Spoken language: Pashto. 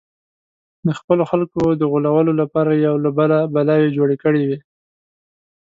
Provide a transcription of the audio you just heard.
د خپلو خلکو د غولولو لپاره یې له یوه بله بلاوې جوړې کړې وې.